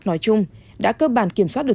nói chung đã cơ bản kiểm soát được